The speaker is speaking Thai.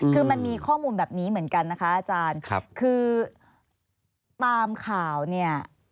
คือมันมีข้อมูลแบบนี้เหมือนกันนะคะอาจารย์คือตามข่าวเนี่ย